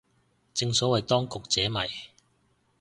正所謂當局者迷